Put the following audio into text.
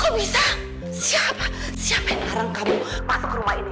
kok bisa siapa siapa yang larang kamu masuk ke rumah ini